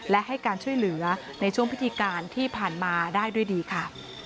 และให้การช่วยเหลือในช่วงพิธีการที่ผ่านมาได้ด้วยดีค่ะ